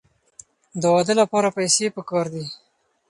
د واده لپاره پیسې پکار دي.